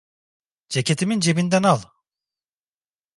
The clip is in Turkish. Ceketimin cebinden al!